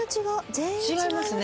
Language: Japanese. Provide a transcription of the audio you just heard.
全員違いますね。